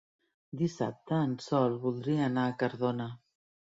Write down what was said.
Dissabte en Sol voldria anar a Cardona.